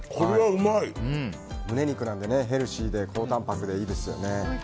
胸肉なのでヘルシーで高たんぱくでいいですよね。